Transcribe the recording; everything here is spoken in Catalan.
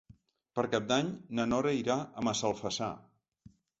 Per Cap d'Any na Nora irà a Massalfassar.